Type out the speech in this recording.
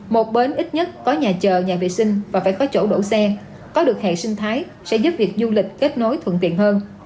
một bến ít nhất có nhà chờ nhà vệ sinh và phải có chỗ đổ xe có được hệ sinh thái sẽ giúp việc du lịch kết nối thuận tiện hơn